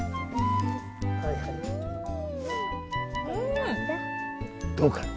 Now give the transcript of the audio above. うん。どうかな？